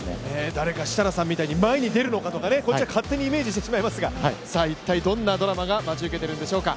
誰か設楽さんみたいに前に出るのかとか、勝手に予想してしまいますが一体どんなドラマが待ち受けているんでしょうか。